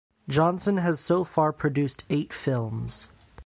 Johnson has so far produced eight films.